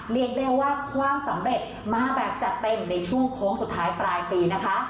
เรียกได้ว่าความสำเร็จมาแบบจัดเต็มในช่วงโค้งสุดท้ายปลายปีนะคะ